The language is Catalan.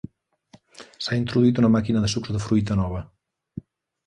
S'ha introduït una màquina de sucs de fruita nova.